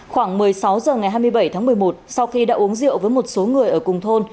khoảng một mươi sáu h ngày hai mươi bảy tháng một mươi một sau khi đã uống rượu với một số người ở cùng thôn